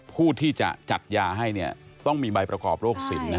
ผู้ที่จะจัดยาให้ต้องมีใบประกอบโรคสิน